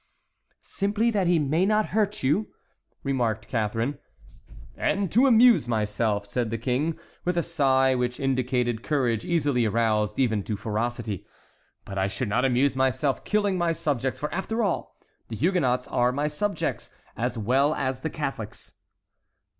"Simply that he may not hurt you," remarked Catharine. "And to amuse myself," said the King, with a sigh which indicated courage easily aroused even to ferocity; "but I should not amuse myself killing my subjects; for, after all, the Huguenots are my subjects, as well as the Catholics."